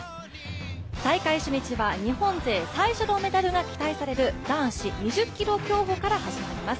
高い初日は日本勢最初のメダルが期待される男子２０ｋｍ競歩から始まります。